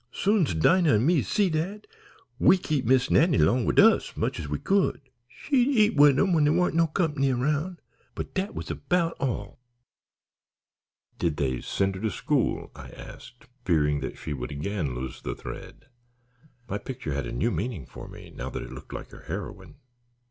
Soon's Dinah an' me see dat, we kep' Miss Nannie long wid us much as we could. She'd eat wid 'em when dere warn't no company 'round, but dat was 'bout all." "Did they send her to school?" I asked, fearing she would again lose the thread. My picture had a new meaning for me now that it looked like her heroine.